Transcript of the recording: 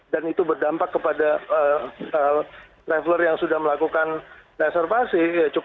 dan itu berdampak kepada leveler yang sudah melakukan reservasi